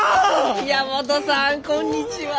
宮本さんこんにちは。